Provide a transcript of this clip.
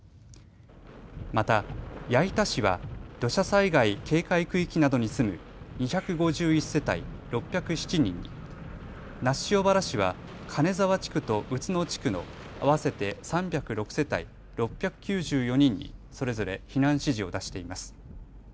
また矢板市は土砂災害警戒区域などに住む２５１世帯６０７人に那須塩原市は金沢地区と宇都野地区の合わせて３０６世帯６９４人にそれぞれ避難指示を出しています。